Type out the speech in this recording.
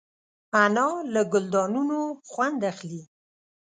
انا له ګلدانونو خوند اخلي